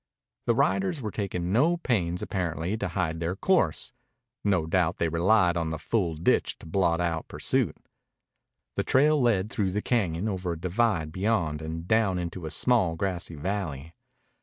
The riders were taking no pains apparently to hide their course. No doubt they relied on the full ditch to blot out pursuit. The trail led through the cañon, over a divide beyond, and down into a small grassy valley.